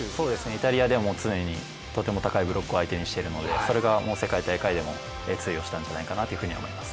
イタリアでも常にとても高いブロックを相手にしているのでそれが世界大会でも通用したんじゃないかなというふうに思います。